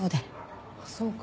そうか。